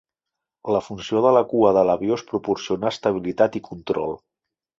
La funció de la cua de l'avió és proporcionar estabilitat i control.